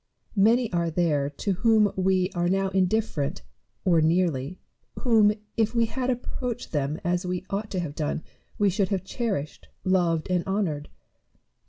Many are there to whom we are now indifferent, or nearly, whom, if we had approached them as we ought to have done, we should have cherished, loved, and honoured.